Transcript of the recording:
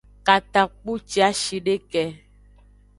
Katakpuciashideke.